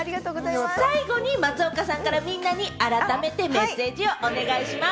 最後に松岡さんから、みんなに改めてメッセージをお願いします。